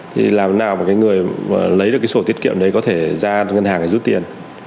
thì làm thế nào mà cái người lấy được cái sổ tiết kiệm đấy có thể ra cho ngân hàng để rút tiền